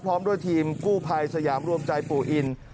พร้อมด้วยทีมกู้ภัยสยามรวมใจปู่อิน